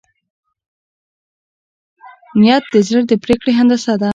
نیت د زړه د پرېکړې هندسه ده.